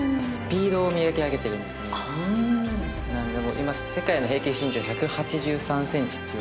今世界の平均身長１８３ｃｍっていわれてて。